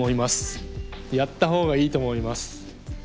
やったほうがいいと思います。